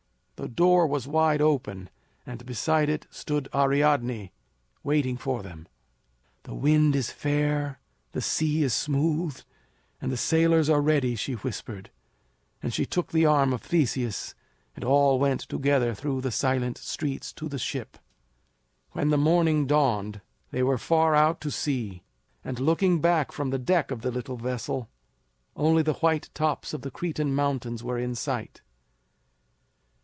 The door was wide open, and beside it stood Ariadne waiting for them. "The wind is fair, the sea is smooth, and the sailors are ready," she whispered; and she took the arm of Theseus, and all went together through the silent streets to the ship. When the morning dawned they were far out to sea, and, looking back from the deck of the little vessel, only the white tops of the Cretan mountains were in sight.